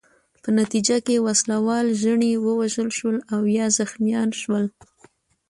په نتیجه کې وسله وال ژڼي ووژل شول او یا زخمیان شول.